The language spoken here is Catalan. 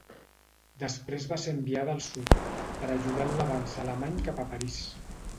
Després va ser enviada al sud, per a ajudar en l'avanç alemany cap a París.